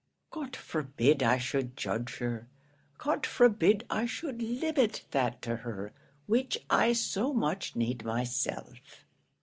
'" "God forbid I should judge her; God forbid I should limit that to her, which I so much need myself.